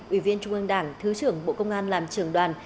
ủy viên trung ương đảng thứ trưởng bộ công an làm trưởng đoàn